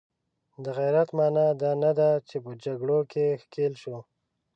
د غیرت معنا دا نه ده چې په جګړو کې ښکیل شو.